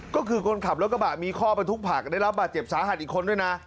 ก็คือคนขับรถกระบะมีข้อบรรทุกผักได้รับบาดเจ็บสาหัสอีกคนด้วยนะ